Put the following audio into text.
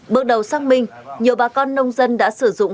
bước đầu sang mình nhiều bà con nông dân đã sử dụng